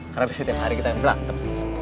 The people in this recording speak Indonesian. karena besok tiap hari kita berantem